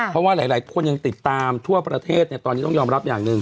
เพราะว่าหลายคนยังติดตามทั่วประเทศตอนนี้ต้องยอมรับอย่างหนึ่ง